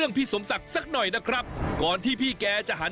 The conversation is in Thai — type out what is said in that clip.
วันนี้พาลงใต้สุดไปดูวิธีของชาวปักใต้อาชีพชาวเล่น